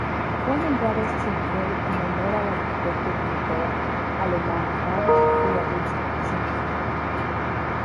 Fue nombrado Schinkel en honor al arquitecto y pintor alemán Karl Friedrich Schinkel.